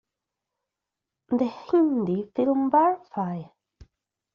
The Hindi film Barfi!